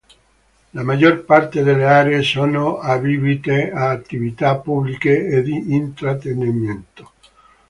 La maggior parte delle aree sono adibite a attività pubbliche e di intrattenimento.